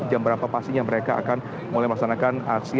jam berapa pastinya mereka akan mulai melaksanakan aksi